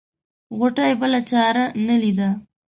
غوټۍ بله چاره نه ليده.